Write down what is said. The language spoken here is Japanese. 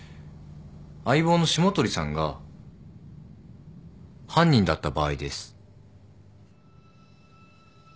相棒の霜鳥さんが犯人だった場合です。